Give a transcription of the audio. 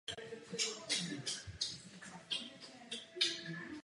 Některá pracoviště jí však věnují pozornost.